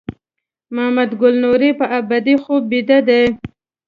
محمد ګل نوري په ابدي خوب بیده دی.